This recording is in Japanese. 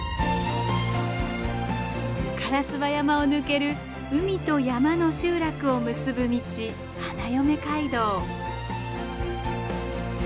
烏場山を抜ける海と山の集落を結ぶ道花嫁街道。